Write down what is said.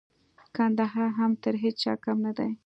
کندهار هم تر هيچا کم نه دئ.